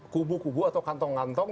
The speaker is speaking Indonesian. kubu kubu atau kantong kantong